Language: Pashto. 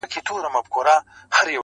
ډېر ستړی یم یاره